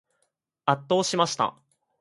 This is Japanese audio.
圧倒しました。